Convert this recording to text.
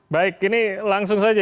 baik ini langsung saja